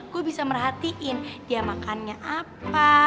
gue bisa merhatiin dia makannya apa